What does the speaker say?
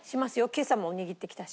今朝も握ってきたし。